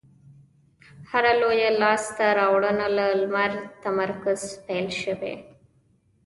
هره لویه لاستهراوړنه له تمرکز پیل شوې.